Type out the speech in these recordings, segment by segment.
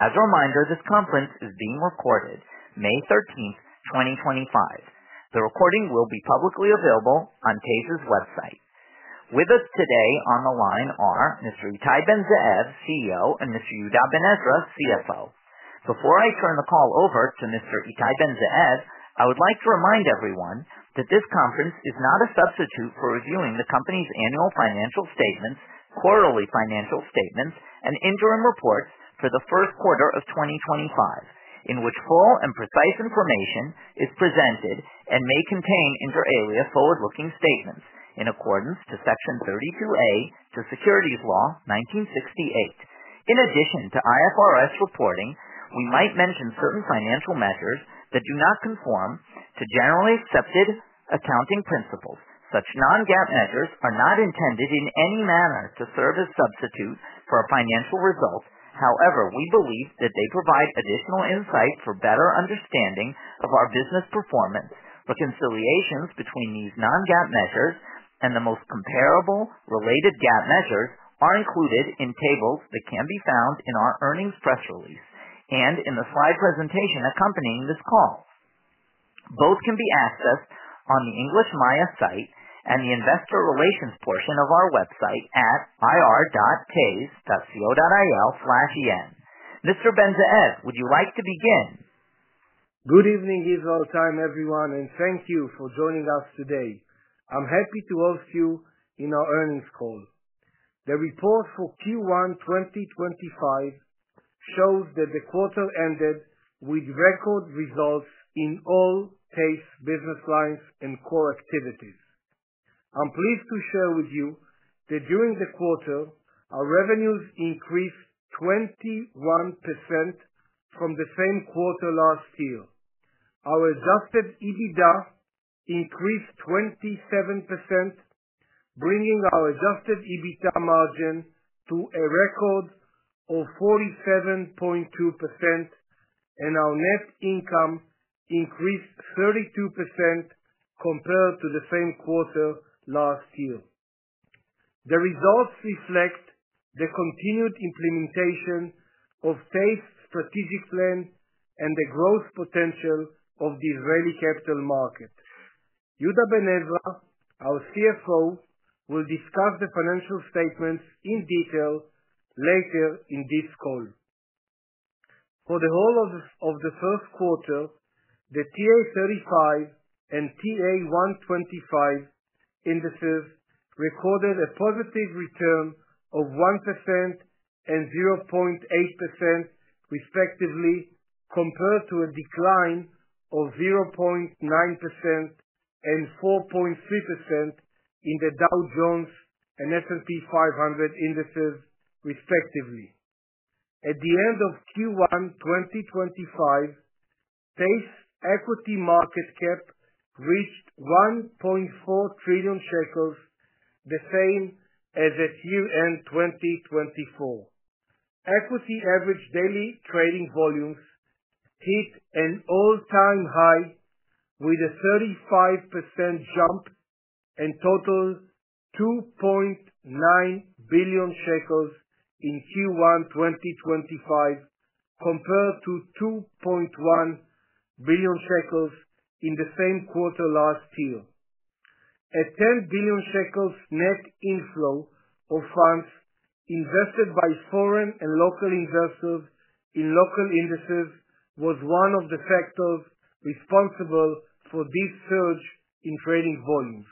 As a reminder, this conference is being recorded, May 13th, 2025. The recording will be publicly available on TASE's website. With us today on the line are Mr. Ittai Ben-Zeev, CEO, and Mr. Yehuda Ben Ezra, CFO. Before I turn the call over to Mr. Ittai Ben-Zeev, I would like to remind everyone that this conference is not a substitute for reviewing the company's annual financial statements, quarterly financial statements, and interim reports for the first quarter of 2025, in which full and precise information is presented and may contain inter alia forward-looking statements in accordance to Section 32A to Securities Law 1968. In addition to IFRS reporting, we might mention certain financial measures that do not conform to generally accepted accounting principles. Such non-GAAP measures are not intended in any manner to serve as substitutes for a financial result. However, we believe that they provide additional insight for better understanding of our business performance. Reconciliations between these non-GAAP measures and the most comparable related GAAP measures are included in tables that can be found in our earnings press release and in the slide presentation accompanying this call. Both can be accessed on the English Maya site and the investor relations portion of our website at ir.tase.co.il/en. Mr. Ben-Zeev, would you like to begin? Good evening, Ittai Ben-Zeev, everyone, and thank you for joining us today. I'm happy to host you in our earnings call. The report for Q1 2025 shows that the quarter ended with record results in all TASE business lines and core activities. I'm pleased to share with you that during the quarter, our revenues increased 21% from the same quarter last year. Our adjusted EBITDA increased 27%, bringing our adjusted EBITDA margin to a record of 47.2%, and our net income increased 32% compared to the same quarter last year. The results reflect the continued implementation of TASE strategic plan and the growth potential of the Israeli capital market. Yehuda Ben Ezra, our CFO, will discuss the financial statements in detail later in this call. For the whole of the first quarter, the TA-35 and TA-125 indices recorded a positive return of 1% and 0.8%, respectively, compared to a decline of 0.9% and 4.3% in the Dow Jones and S&P 500 indices, respectively. At the end of Q1 2025, TASE equity market cap reached 1.4 trillion shekels, the same as at year-end 2024. Equity average daily trading volumes hit an all-time high with a 35% jump and totaled 2.9 billion shekels in Q1 2025, compared to 2.1 billion shekels in the same quarter last year. A 10 billion shekels net inflow of funds invested by foreign and local investors in local indices was one of the factors responsible for this surge in trading volumes.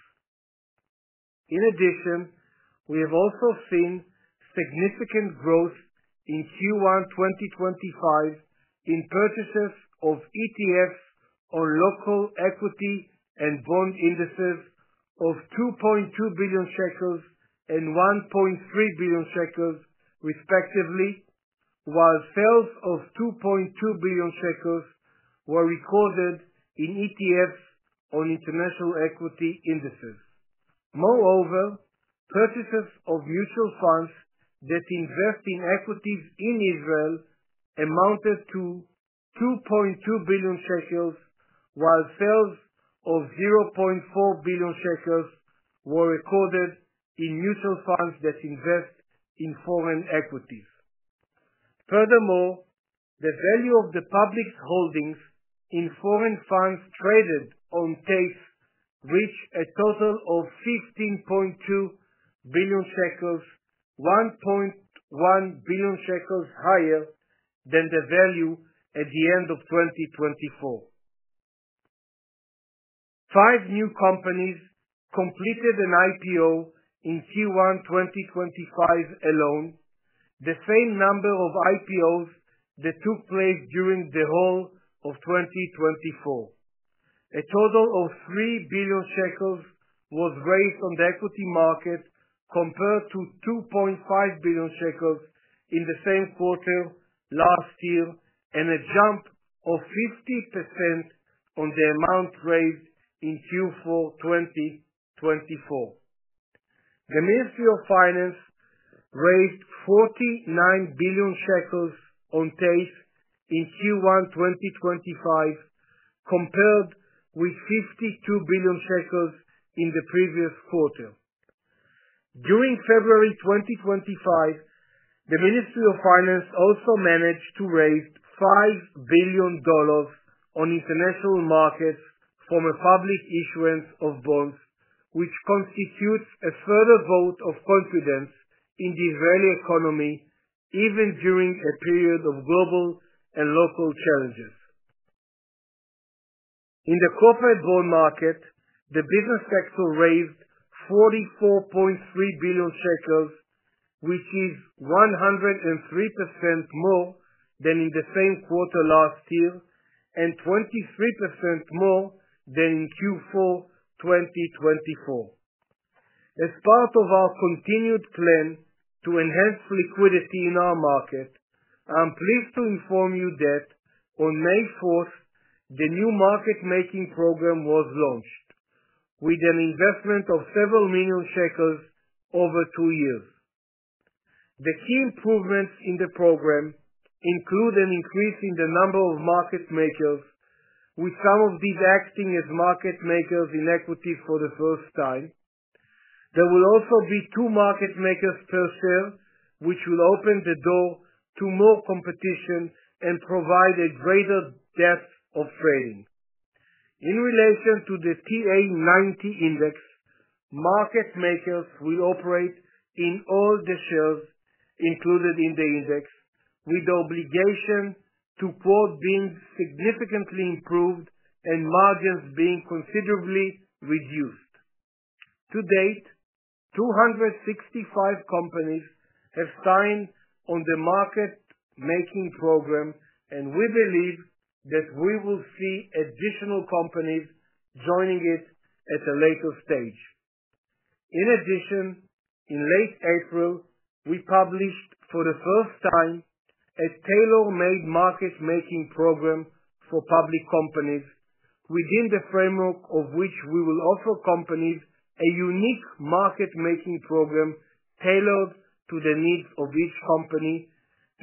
In addition, we have also seen significant growth in Q1 2025 in purchases of ETFs on local equity and bond indices of 2.2 billion shekels and 1.3 billion shekels, respectively, while sales of 2.2 billion shekels were recorded in ETFs on international equity indices. Moreover, purchases of mutual funds that invest in equities in Israel amounted to 2.2 billion shekels, while sales of 0.4 billion shekels were recorded in mutual funds that invest in foreign equities. Furthermore, the value of the public's holdings in foreign funds traded on TASE reached a total of 15.2 billion shekels, 1.1 billion higher than the value at the end of 2024. Five new companies completed an IPO in Q1 2025 alone, the same number of IPOs that took place during the whole of 2024. A total of 3 billion shekels was raised on the equity market, compared to 2.5 billion shekels in the same quarter last year, and a jump of 50% on the amount raised in Q4 2024. The Ministry of Finance raised 49 billion shekels on TASE in Q1 2025, compared with ILS 52 billion in the previous quarter. During February 2025, the Ministry of Finance also managed to raise $5 billion on international markets from a public issuance of bonds, which constitutes a further vote of confidence in the Israeli economy, even during a period of global and local challenges. In the corporate bond market, the business sector raised 44.3 billion shekels, which is 103% more than in the same quarter last year and 23% more than in Q4 2024. As part of our continued plan to enhance liquidity in our market, I'm pleased to inform you that on May 4th, the new market-making program was launched, with an investment of several million ILS over two years. The key improvements in the program include an increase in the number of market makers, with some of these acting as market makers in equities for the first time. There will also be two market makers per share, which will open the door to more competition and provide a greater depth of trading. In relation to the TA-90 Index, market makers will operate in all the shares included in the index, with the obligation to quote being significantly improved and margins being considerably reduced. To date, 265 companies have signed on the market-making program, and we believe that we will see additional companies joining it at a later stage. In addition, in late April, we published for the first time a tailor-made market-making program for public companies, within the framework of which we will offer companies a unique market-making program tailored to the needs of each company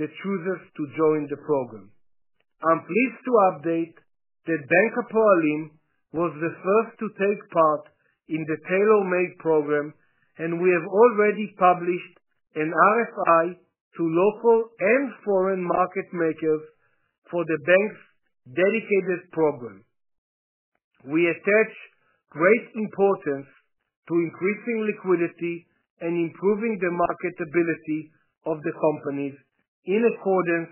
that chooses to join the program. I'm pleased to update that Bank Hapoalim was the first to take part in the tailor-made program, and we have already published an RFI to local and foreign market makers for the bank's dedicated program. We attach great importance to increasing liquidity and improving the marketability of the companies in accordance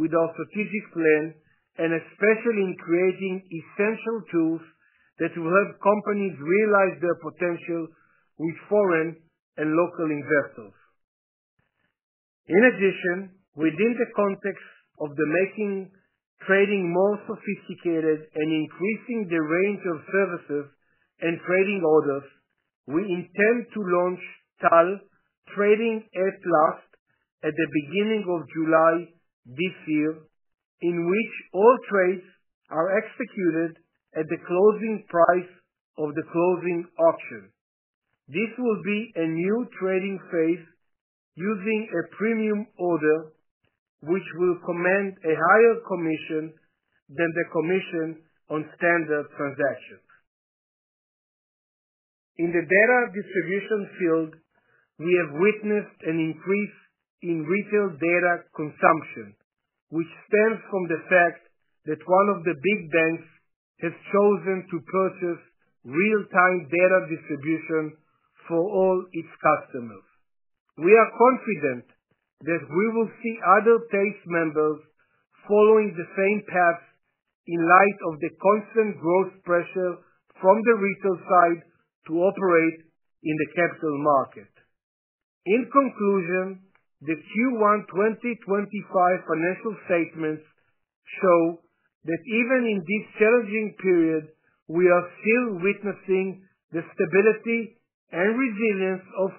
with our strategic plan, and especially in creating essential tools that will help companies realize their potential with foreign and local investors. In addition, within the context of making trading more sophisticated and increasing the range of services and trading orders, we intend to launch TAL Trading-At-Last at the beginning of July this year, in which all trades are executed at the closing price of the closing auction. This will be a new trading phase using a premium order, which will command a higher commission than the commission on standard transactions. In the data distribution field, we have witnessed an increase in retail data consumption, which stems from the fact that one of the big banks has chosen to purchase real-time data distribution for all its customers. We are confident that we will see other TASE members following the same path in light of the constant growth pressure from the retail side to operate in the capital market. In conclusion, the Q1 2025 financial statements show that even in this challenging period, we are still witnessing the stability and resilience of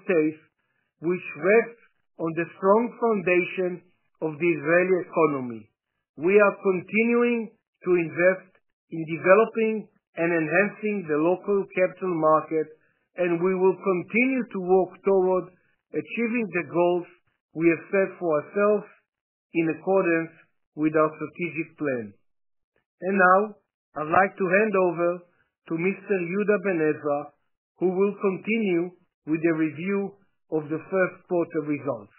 TASE, which rests on the strong foundation of the Israeli economy. We are continuing to invest in developing and enhancing the local capital market, and we will continue to work toward achieving the goals we have set for ourselves in accordance with our strategic plan. I would like to hand over to Mr. Yehuda Ben Ezra, who will continue with the review of the first quarter results.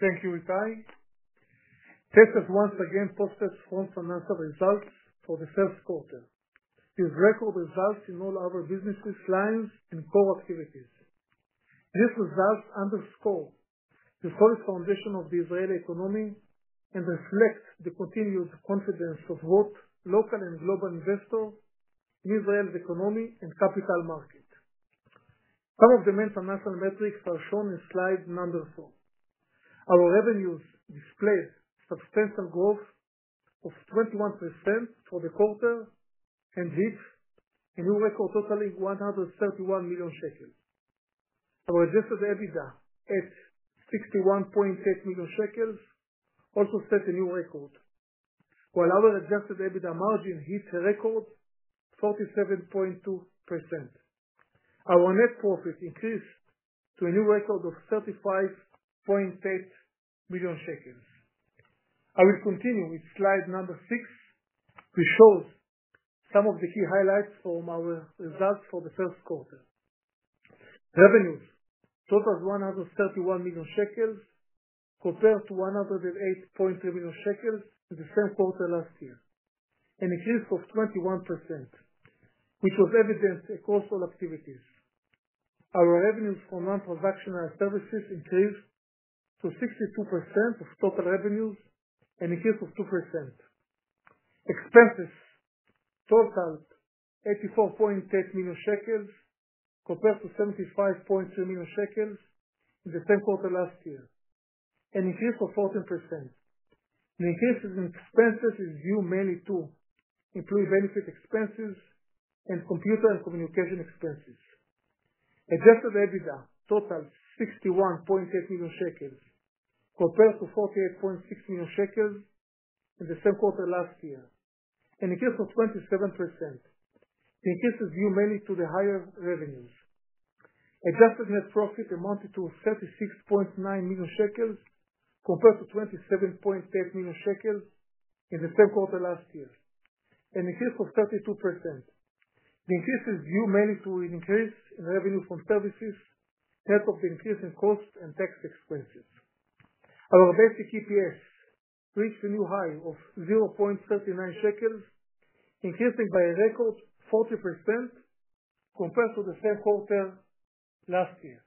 Thank you, Ittai. TASE has once again posted strong financial results for the first quarter, with record results in all our business lines and core activities. These results underscore the solid foundation of the Israeli economy and reflect the continued confidence of both local and global investors in Israel's economy and capital market. Some of the main financial metrics are shown in slide number four. Our revenues displayed substantial growth of 21% for the quarter and hit a new record totaling 131 million shekels. Our adjusted EBITDA at 61.8 million shekels also set a new record, while our adjusted EBITDA margin hit a record 47.2%. Our net profit increased to a new record of 35.8 million shekels. I will continue with slide number six, which shows some of the key highlights from our results for the first quarter. Revenues totaled 131 million shekels, compared to 108.3 million shekels in the same quarter last year, an increase of 21%, which was evident across all activities. Our revenues from non-transactional services increased to 62% of total revenues, an increase of 2%. Expenses totaled 84.8 million shekels, compared to 75.3 million shekels in the same quarter last year, an increase of 14%. The increases in expenses are due mainly to employee benefit expenses and computer and communication expenses. Adjusted EBITDA totaled 61.8 million shekels, compared to 48.6 million shekels in the same quarter last year, an increase of 27%. The increase is due mainly to the higher revenues. Adjusted net profit amounted to 36.9 million shekels, compared to 27.8 million shekels in the same quarter last year, an increase of 32%. The increase is due mainly to an increase in revenue from services net of the increase in cost and tax expenses. Our basic EPS reached a new high of 0.39 shekels, increasing by a record 40% compared to the same quarter last year.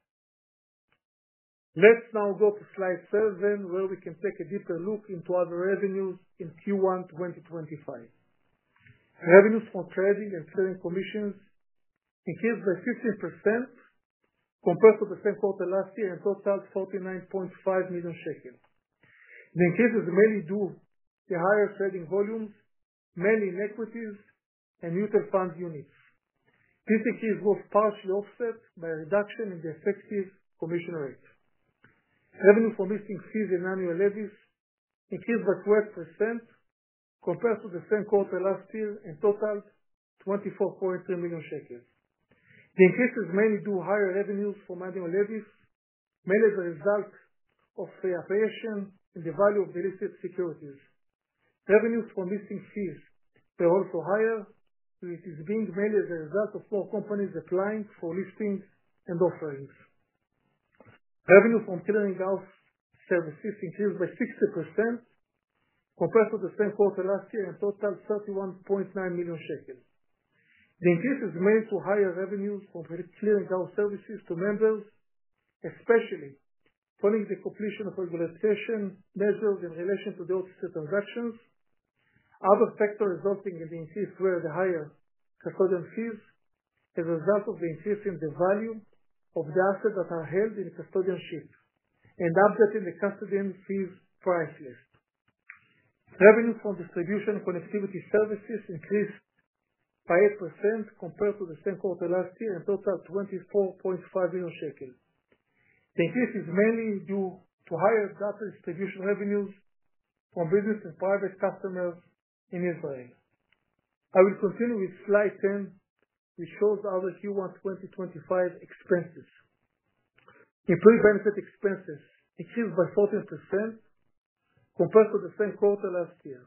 Let's now go to slide seven, where we can take a deeper look into our revenues in Q1 2025. Revenues from trading and trading commissions increased by 15% compared to the same quarter last year and totaled 49.5 million shekels. The increase is mainly due to higher trading volumes, mainly in equities and mutual fund units. This increase was partially offset by a reduction in the effective commission rate. Revenue from listing fees and annual levies increased by 12% compared to the same quarter last year and totaled 24.3 million shekels. The increase is mainly due to higher revenues from annual levies, mainly as a result of the appreciation in the value of the listed securities. Revenues from listing fees were also higher, which is being mainly as a result of more companies applying for listings and offerings. Revenue from clearing services increased by 60% compared to the same quarter last year and totaled 31.9 million shekels. The increase is mainly due to higher revenues from clearing services to members, especially following the completion of regularization measures in relation to the off-exchange transactions. Other factors resulting in the increase were the higher custodian fees as a result of the increase in the value of the assets that are held in custodianship and updating the custodian fees price list. Revenues from distribution and connectivity services increased by 8% compared to the same quarter last year and totaled 24.5 million shekels. The increase is mainly due to higher data distribution revenues from business and private customers in Israel. I will continue with slide 10, which shows our Q1 2025 expenses. Employee benefit expenses increased by 14% compared to the same quarter last year,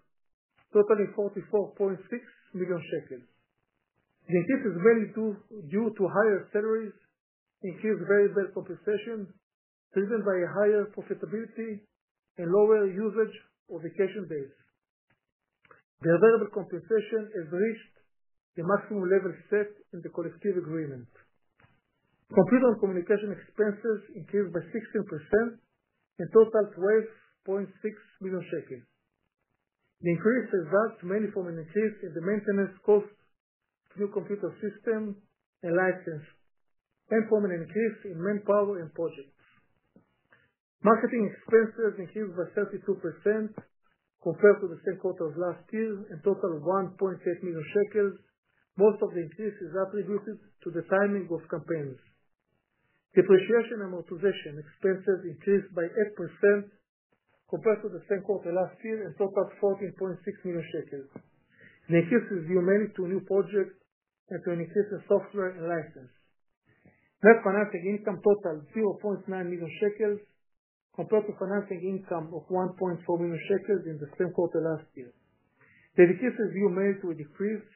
totaling 44.6 million shekels. The increase is mainly due to higher salaries, increased variable compensation driven by higher profitability, and lower usage of vacation days. The available compensation has reached the maximum level set in the collective agreement. Computer and communication expenses increased by 16% and totaled 12.6 million shekels. The increase is due mainly to an increase in the maintenance cost of new computer systems and licenses, and from an increase in manpower and projects. Marketing expenses increased by 32% compared to the same quarter of last year and totaled 1.8 million shekels. Most of the increase is attributed to the timing of campaigns. Depreciation and amortization expenses increased by 8% compared to the same quarter last year and totaled 14.6 million shekels. The increase is due mainly to new projects and to an increase in software and license. Net financial income totaled 0.9 million shekels compared to financial income of 1.4 million shekels in the same quarter last year. The decrease is due mainly to a decrease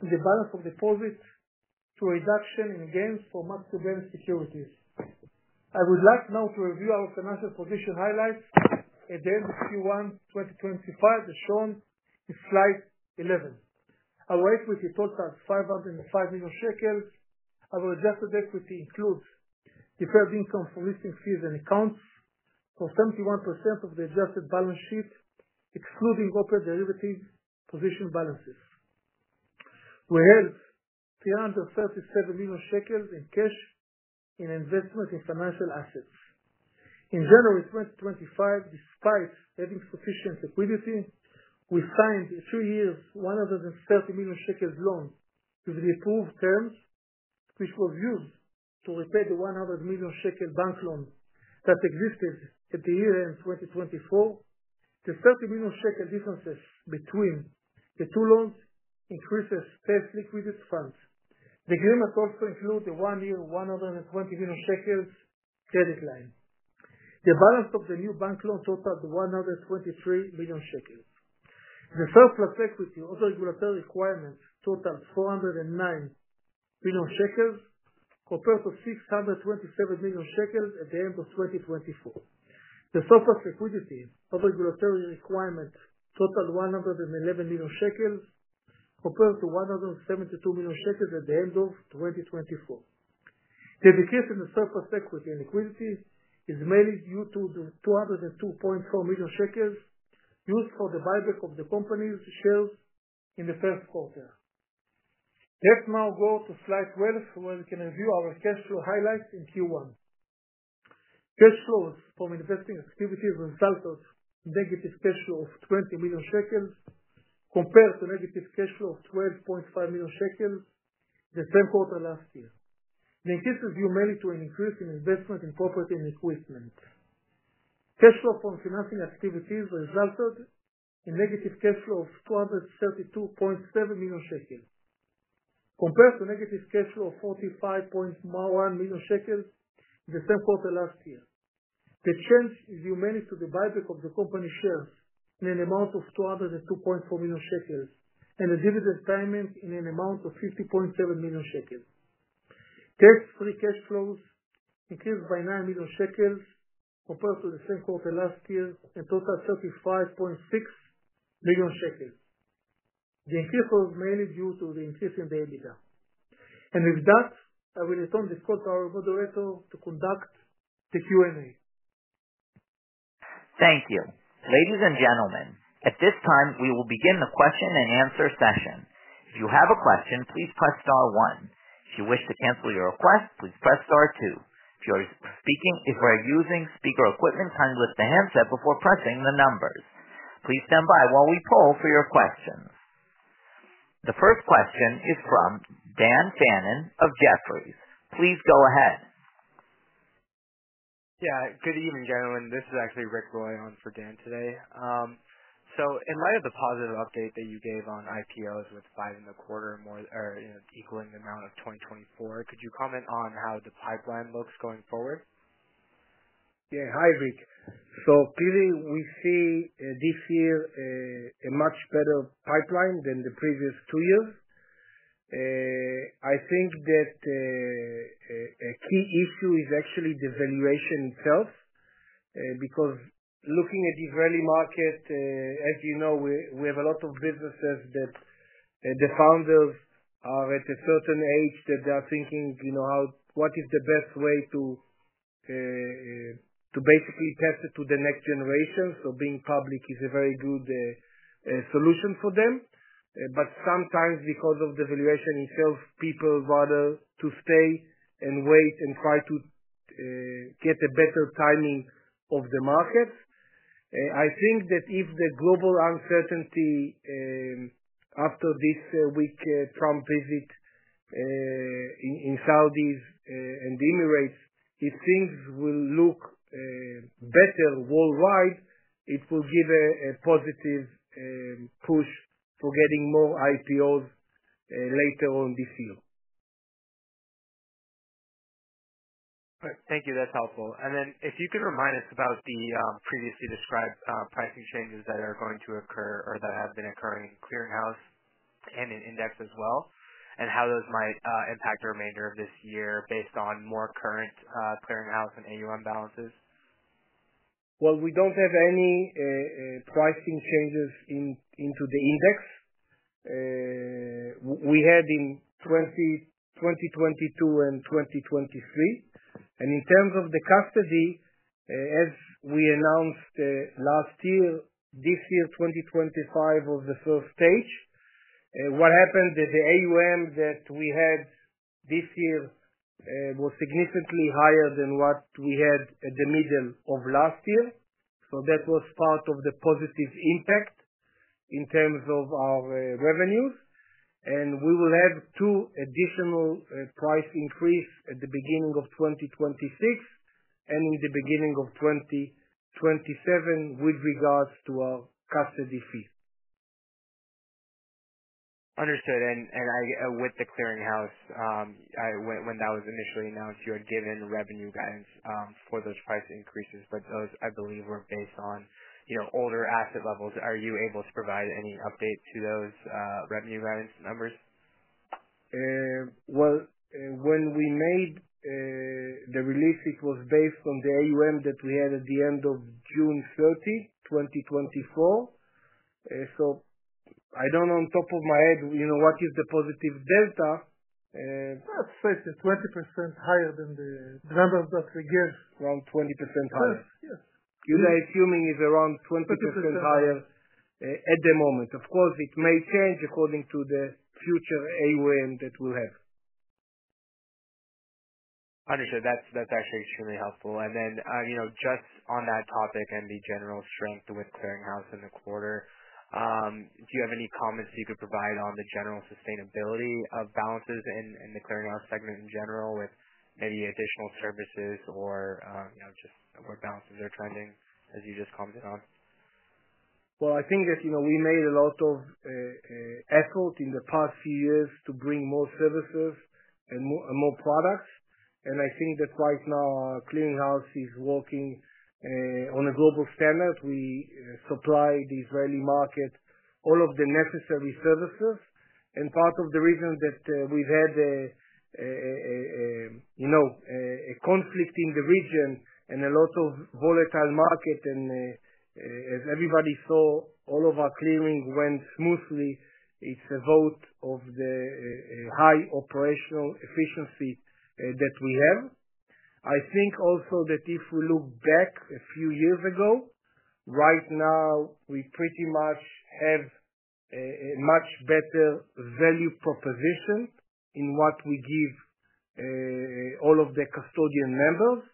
in the balance of deposits to a reduction in gains from market-based securities. I would like now to review our financial position highlights at the end of Q1 2025, as shown in slide 11. Our equity totaled 505 million shekels. Our adjusted equity includes deferred income from listing fees and accounts for 71% of the adjusted balance sheet, excluding operating derivatives position balances. We held 337 million shekels in cash in investment in financial assets. In January 2025, despite having sufficient liquidity, we signed a two-year 130 million shekels loan with the approved terms, which was used to repay the 100 million shekel bank loan that existed at the year-end 2024. The 30 million shekel difference between the two loans increased TASE liquidity funds. The agreement also included a one-year 120 million shekel credit line. The balance of the new bank loan totaled 123 million shekel. The surplus equity, other regulatory requirements, totaled 409 million shekels compared to 627 million shekels at the end of 2024. The surplus liquidity, other regulatory requirements, totaled 111 million shekels compared to 172 million shekels at the end of 2024. The decrease in the surplus equity and liquidity is mainly due to the 202.4 million shekels used for the buyback of the company's shares in the first quarter. Let's now go to slide 12, where we can review our cash flow highlights in Q1. Cash flows from investing activities resulted in a negative cash flow of 20 million shekel compared to a negative cash flow of 12.5 million shekel in the same quarter last year. The increase is due mainly to an increase in investment in property and equipment. Cash flow from financing activities resulted in a negative cash flow of 232.7 million shekels, compared to a negative cash flow of 45.1 million shekels in the same quarter last year. The change is due mainly to the buyback of the company shares in an amount of 202.4 million shekels and a dividend payment in an amount of 50.7 million shekels. TASE free cash flows increased by 9 million shekels compared to the same quarter last year and totaled 35.6 million shekels. The increase was mainly due to the increase in the EBITDA. With that, I will return this call to our moderator to conduct the Q&A. Thank you. Ladies and gentlemen, at this time, we will begin the question and answer session. If you have a question, please press star one. If you wish to cancel your request, please press star two. If you are using speaker equipment, kindly lift the handset before pressing the numbers. Please stand by while we poll for your questions. The first question is from Dan Fannon of Jefferies. Please go ahead. Yeah. Good evening, gentlemen. This is actually Rick going on for Dan today. In light of the positive update that you gave on IPOs with five and a quarter more or equaling the amount of 2024, could you comment on how the pipeline looks going forward? Yeah. Hi, Rick. Clearly, we see this year a much better pipeline than the previous two years. I think that a key issue is actually the valuation itself because looking at the Israeli market, as you know, we have a lot of businesses that the founders are at a certain age that they are thinking, "What is the best way to basically pass it to the next generation?" Being public is a very good solution for them. Sometimes, because of the valuation itself, people rather stay and wait and try to get a better timing of the markets. I think that if the global uncertainty after this week's Trump visit in Saudi Arabia and United Arab Emirates, if things will look better worldwide, it will give a positive push for getting more IPOs later on this year. All right. Thank you. That's helpful. If you could remind us about the previously described pricing changes that are going to occur or that have been occurring in clearing-house and in index as well, and how those might impact the remainder of this year based on more current clearing-house and AUM balances? We do not have any pricing changes into the index. We had in 2022 and 2023. In terms of the custody, as we announced last year, this year, 2025, was the first stage. What happened is the AUM that we had this year was significantly higher than what we had at the middle of last year. That was part of the positive impact in terms of our revenues. We will have two additional price increases at the beginning of 2026 and in the beginning of 2027 with regards to our custody fee. Understood. With the clearing-house, when that was initially announced, you had given revenue guidance for those price increases, but those, I believe, were based on older asset levels. Are you able to provide any update to those revenue guidance numbers? When we made the release, it was based on the AUM that we had at the end of June 30, 2024. I don't know on top of my head what is the positive delta. It's 20% higher than the numbers that we gave. Around 20% higher. Good. Good. Yes. You're assuming it's around 20% higher at the moment. Of course, it may change according to the future AUM that we'll have. Understood. That's actually extremely helpful. Just on that topic and the general strength with clearing-house in the quarter, do you have any comments you could provide on the general sustainability of balances and the clearing-house segment in general with maybe additional services or just where balances are trending, as you just commented on? I think that we made a lot of effort in the past few years to bring more services and more products. I think that right now our clearing-house is working on a global standard. We supply the Israeli market all of the necessary services. Part of the reason that we've had a conflict in the region and a lot of volatile market, and as everybody saw, all of our clearing went smoothly, it's a vote of the high operational efficiency that we have. I think also that if we look back a few years ago, right now we pretty much have a much better value proposition in what we give all of the custodian members.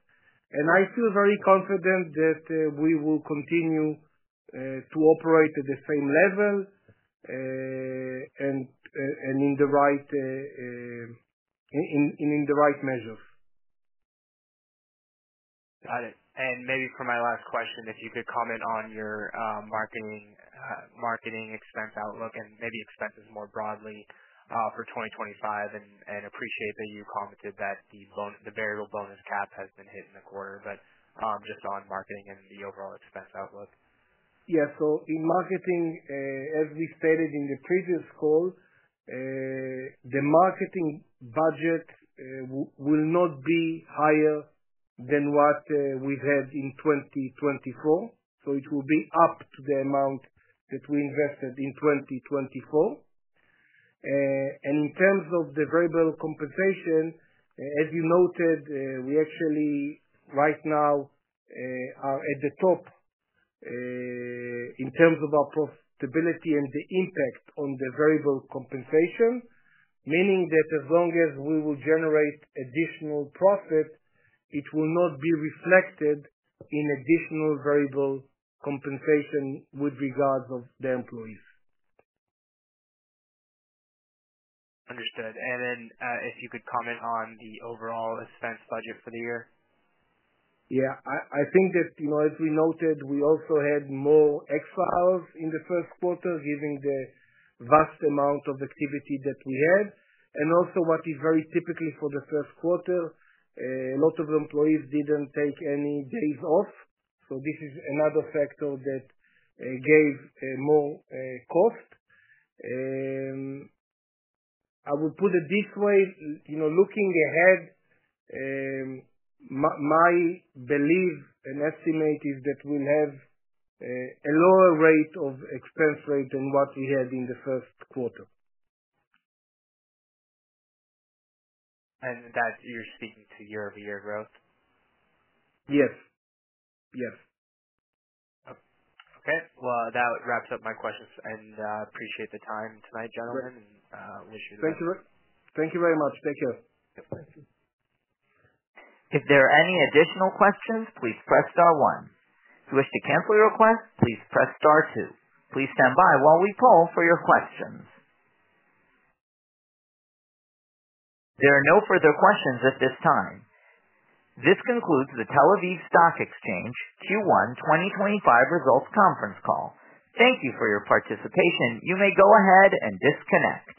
I feel very confident that we will continue to operate at the same level and in the right measures. Got it. Maybe for my last question, if you could comment on your marketing expense outlook and maybe expenses more broadly for 2025, and I appreciate that you commented that the variable bonus cap has been hit in the quarter, but just on marketing and the overall expense outlook. Yeah. In marketing, as we stated in the previous call, the marketing budget will not be higher than what we've had in 2024. It will be up to the amount that we invested in 2024. In terms of the variable compensation, as you noted, we actually right now are at the top in terms of our profitability and the impact on the variable compensation, meaning that as long as we will generate additional profit, it will not be reflected in additional variable compensation with regards to the employees. Understood. If you could comment on the overall expense budget for the year. Yeah. I think that as we noted, we also had more ex-files in the first quarter given the vast amount of activity that we had. Also, what is very typical for the first quarter, a lot of employees did not take any days off. This is another factor that gave more cost. I will put it this way. Looking ahead, my belief and estimate is that we will have a lower rate of expense rate than what we had in the first quarter. That you're speaking to year-over-year growth? Yes. Yes. Okay. That wraps up my questions. I appreciate the time tonight, gentlemen, and wish you the best. Thank you. Thank you very much. Take care. Thank you. If there are any additional questions, please press star one. If you wish to cancel your request, please press star two. Please stand by while we poll for your questions. There are no further questions at this time. This concludes the Tel Aviv Stock Exchange Q1 2025 results conference call. Thank you for your participation. You may go ahead and disconnect.